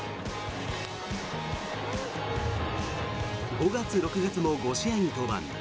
５月、６月も５試合に登板。